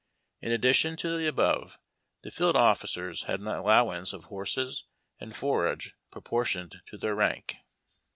In addition to the above, the field officers had an allowance of horses and forage proportioned to their rank.